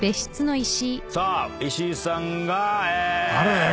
さあ石井さんがえねえ。